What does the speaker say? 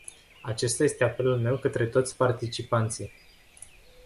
Acesta este apelul meu către toți participanții.